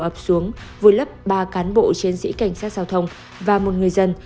ấp xuống vừa lấp ba cán bộ chiến sĩ cảnh sát giao thông và một người dân